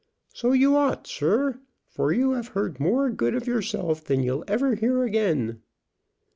"So you ought, sir, for you have heard more good of yourself than you'll ever hear again."